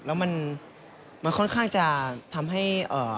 แล้วมันค่อนข้างจะทำให้